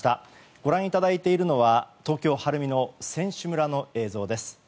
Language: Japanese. ご覧いただいているのは東京・晴海の選手村の映像です。